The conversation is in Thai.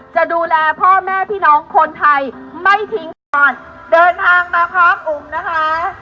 จะดูแลพ่อแม่พี่น้องคนไทยไม่ทิ้งนอนเดินทางมาพักอุ๋มนะคะ